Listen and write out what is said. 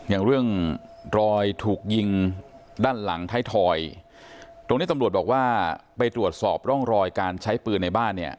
อย่างเรื่องรอยถูกยิงด้านหลังท้ายถอยตรงนี้ตำรวจบอกว่าไปตรวจสอบร่องรอยการใช้ปืนในบ้านเนี่ย